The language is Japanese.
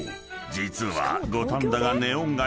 実は］